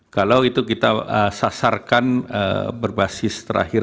kalau itu kita sasarkan berbasis terakhir